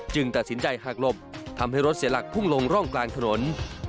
ตัดสินใจหากหลบทำให้รถเสียหลักพุ่งลงร่องกลางถนน